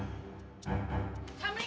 assalamu'alaikum bang maui